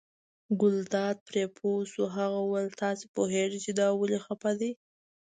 ګلداد پرې پوه شو، هغه وویل تاسې پوهېږئ چې دا ولې خپه دی.